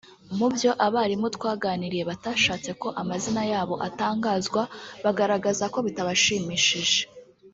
Mubyo abarimu twaganiriye batashatse ko amazina yabo atangazwa bagaragaza ko bitabashimishije